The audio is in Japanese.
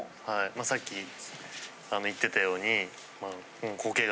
はいさっき言ってたように。